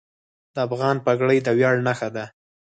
د افغان پګړۍ د ویاړ نښه ده.